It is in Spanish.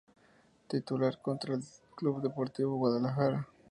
Titular contra el Club Deportivo Guadalajara.